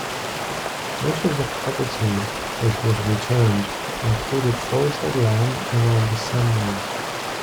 Most of the property which was returned included forested land around the seminary.